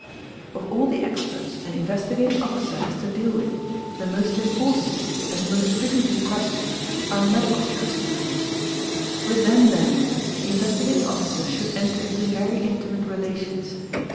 Of all the experts an Investigating Officer has to deal with the most important and the most frequently questioned are medical jurisprudents ;| with them therefore the Investigating Officer should enter into very ntimate relations.